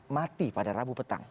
mati pada rabu petang